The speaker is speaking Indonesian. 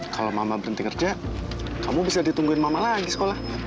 kalau mama berhenti kerja kamu bisa ditungguin mama lagi sekolah